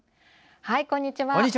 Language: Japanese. こんにちは！